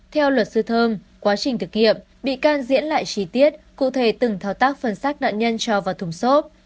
theo luật sư thơm quá trình thực nghiệm bị can diễn lại trí tiết cụ thể từng thao tác phân sát nạn nhân cho vào thủng xốp